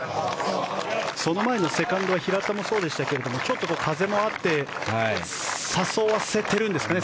その前のセカンドは平田もそうでしたがちょっと風もあって誘わせてるんですかね。